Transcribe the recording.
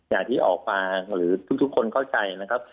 อย่างที่ออกมาหรือทุกคนเข้าใจนะครับ